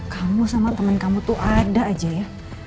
kamu sama temen kamu tuh ada aja ya